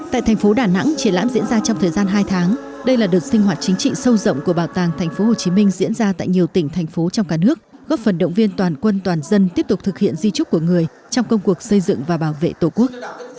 tại thành phố đà nẵng triển lãm diễn ra trong thời gian hai tháng đây là đợt sinh hoạt chính trị sâu rộng của bảo tàng tp hcm diễn ra tại nhiều tỉnh thành phố trong cả nước góp phần động viên toàn quân toàn dân tiếp tục thực hiện di trúc của người trong công cuộc xây dựng và bảo vệ tổ quốc